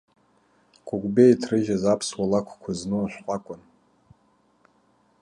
Кәыкәбеи иҭрыжьыз аԥсуа лакәқәа зну ашәҟәы акәын.